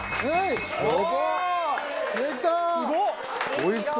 おいしそう。